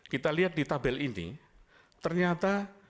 kita lihat di tabel ini ternyata